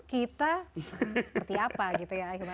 kita seperti apa gitu ya ahilman